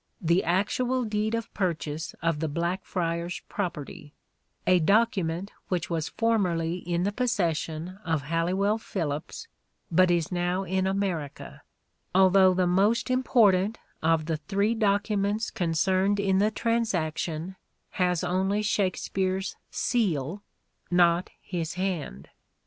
The actual deed of purchase of the Black friars property : a document which was formerly in the possession of Halliwell Phillipps but is now in America, although the most important of the three documents concerned in the transaction, has only Shakspere's " seal," not his " hand."